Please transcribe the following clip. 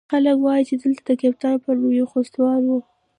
خلق وايي چې دلته د کيپات په نوم يو خوستوال و.